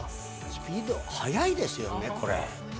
スピード速いですよねこれ。